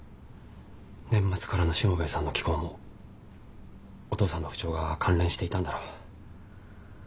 年末からのしもべえさんの奇行もお父さんの不調が関連していたんだろう。